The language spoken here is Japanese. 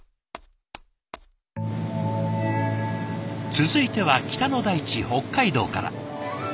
続いては北の大地北海道から。